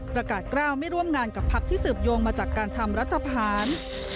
ประกาศกล้าวไม่ร่วมงานกับพักที่สืบโยงมาจากการทำรัฐพาน